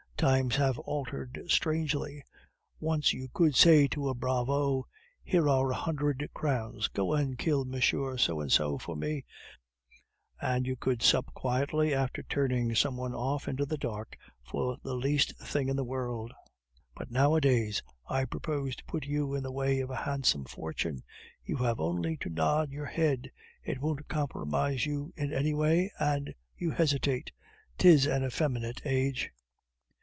Times have altered strangely. Once you could say to a bravo, 'Here are a hundred crowns; go and kill Monsieur So and so for me,' and you could sup quietly after turning some one off into the dark for the least thing in the world. But nowadays I propose to put you in the way of a handsome fortune; you have only to nod your head, it won't compromise you in any way, and you hesitate. 'Tis an effeminate age."